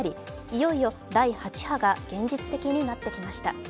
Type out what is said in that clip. いよいよ第８波が現実的になってきました。